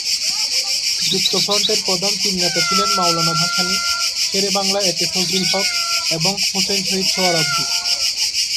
যুক্তফ্রন্টের প্রধান তিন নেতা ছিলেন মওলানা ভাসানী, শেরে বাংলা একে ফজলুল হক এবং হোসেন শহীদ সোহরাওয়ার্দী।